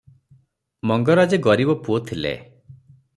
ମଙ୍ଗରାଜେ ଗରିବ ପୁଅ ଥିଲେ ।